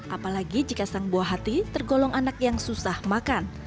apalagi jika sang buah hati tergolong anak yang susah makan